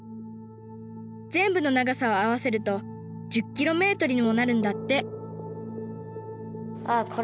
全部の長さを合わせると１０キロメートルにもなるんだってああこれ。